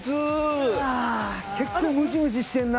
結構ムシムシしてんな。